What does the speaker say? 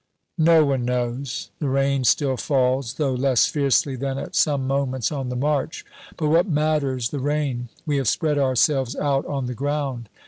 No one knows. The rain still falls, though less fiercely than at some moments on the march. But what matters the rain! We have spread ourselves out on the ground.